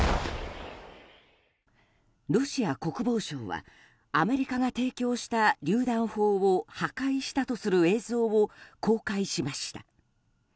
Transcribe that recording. ロシア国防省はアメリカが提供したりゅう弾砲を破壊したとする映像を公開しました。